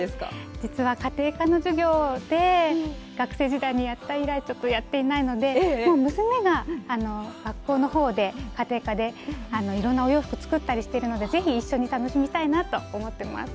実は家庭科の授業で学生時代にやった以来ちょっとやっていないのでもう娘が学校の方で家庭科でいろんなお洋服作ったりしてるので是非一緒に楽しみたいなと思ってます。